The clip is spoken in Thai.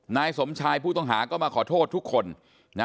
นายสมชายผู้ต้องหาก็มาขอโทษทุกคนนะ